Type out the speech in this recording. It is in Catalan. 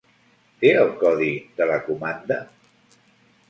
Té el codi de la comanda?